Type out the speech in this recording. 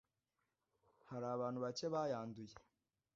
Hari abantu bacye bayanduye